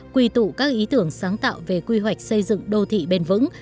quy tụ các ý tưởng sáng tạo về quy hoạch xây dựng đô thị bền vững